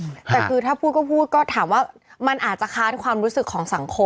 แต่คือถ้าพูดก็พูดก็ถามว่ามันอาจจะค้านความรู้สึกของสังคม